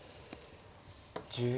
１０秒。